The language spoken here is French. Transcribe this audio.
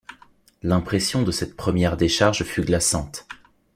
L’impression de cette première décharge fut glaçante.